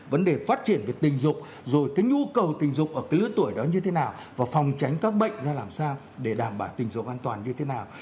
vấn đề phát triển về tình dục rồi cái nhu cầu tình dục ở cái lứa tuổi đó như thế nào và phòng tránh các bệnh ra làm sao để đảm bảo tình dục an toàn như thế nào